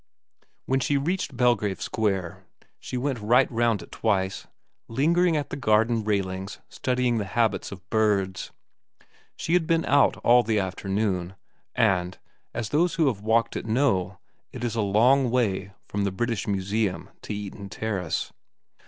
When she reached Belgrave Square she went right round it twice, lingering at the garden ix VERA 95 railings studying the habits of birds. She had been out all the afternoon, and, as those who have walked it know, it is a long way from the British Museum to Eaton Terrace.